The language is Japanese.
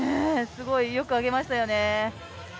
すごい、よく上げましたよね